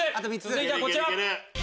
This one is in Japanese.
続いてはこちら。